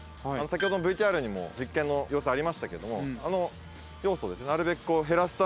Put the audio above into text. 先ほどのＶＴＲにも実験の様子ありましたけど。